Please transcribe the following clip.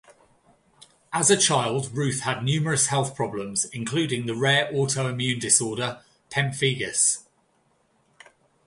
As a child, Ruth had numerous health problems, including the rare autoimmune disorder pemphigus.